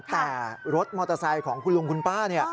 แต่รถมอเตอร์ไซค์ของคุณลุงคุณป้าเนี่ย